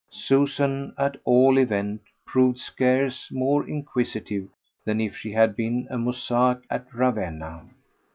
Susan at all events proved scarce more inquisitive than if she had been a mosaic at Ravenna.